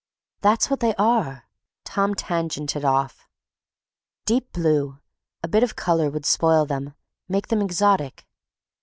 "That's what they are," Tom tangented off, "deep blue—a bit of color would spoil them, make them exotic.